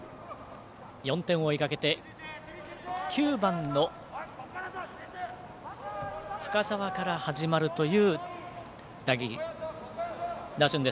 ４点を追いかけて９番の深沢から始まるという打順。